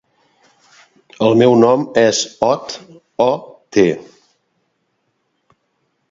El meu nom és Ot: o, te.